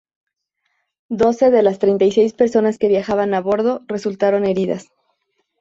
Doce de las treinta y seis personas que viajaban a bordo resultaron heridas.